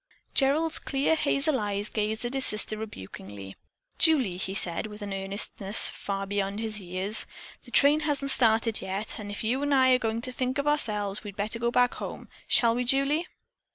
Gerald's clear hazel eyes gazed at his sister rebukingly. "Julie," he said, with an earnestness far beyond his years, "the train hasn't started yet and if you'n I are going to think of ourselves we'd better go back home. Shall we, Julie?"